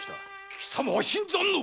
貴様は新参の！